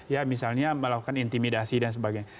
ya misalnya melakukan intimidasi dan sebagainya